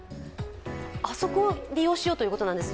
あそこを利用しようということなんです。